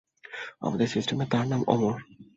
আমাদের সিস্টেমে তার নাম অমর।